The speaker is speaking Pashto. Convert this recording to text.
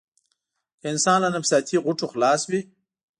که انسان له نفسياتي غوټو خلاص وي.